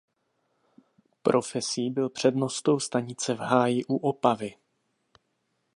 Profesí byl přednostou stanice v Háji u Opavy.